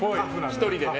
１人でね。